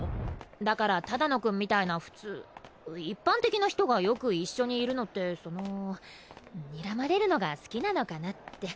だから只野くんみたいな普通一般的な人がよく一緒にいるのってそのにらまれるのが好きなのかなって。